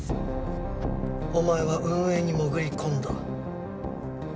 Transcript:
お前は運営に潜り込んだ。